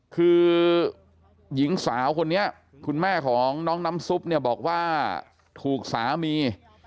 คือหญิงสาวคนนี้คุณแม่ของน้องน้ำซุปเนี่ยบอกว่าถูกสามี